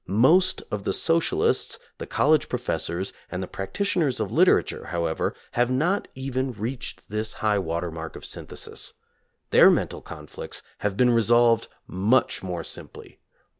Most of the so cialists, the college professors and the practitioners of literature, however, have not even reached this high water mark of synthesis. Their mental con flicts have been resolved much more simply.